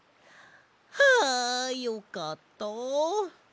はあよかったあ。